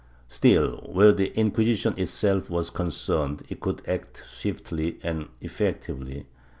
^ Still, where the Inquisition itself was concerned it could act swiftly and effect ively.